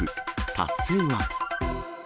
達成は？